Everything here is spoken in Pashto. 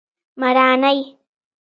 مراڼی